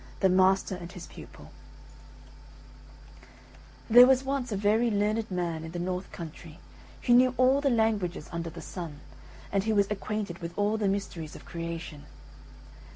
THE MASTER AND HIS PUPIL There was once a very learned man in the north country who knew all the languages under the sun, and who was acquainted with all the mysteries of creation.